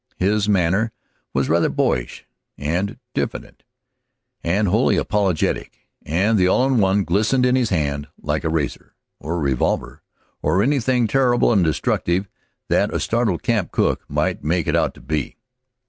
His manner was rather boyish and diffident, and wholly apologetic, and the All in One glistened in his hand like a razor, or a revolver, or anything terrible and destructive that a startled camp cook might make it out to be.